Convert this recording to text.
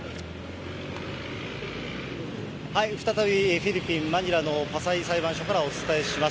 再びフィリピン・マニラのパサイ裁判所からお伝えします。